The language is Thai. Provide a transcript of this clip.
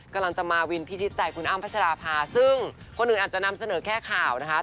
กำลังจะมาวินพิชิตใจคุณอ้ำพัชราภาซึ่งคนอื่นอาจจะนำเสนอแค่ข่าวนะคะ